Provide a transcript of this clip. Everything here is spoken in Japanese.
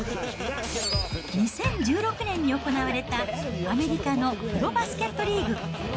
２０１６年に行われた、アメリカのプロバスケットリーグ。